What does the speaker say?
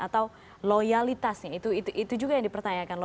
atau loyalitasnya itu juga yang dipertanyakan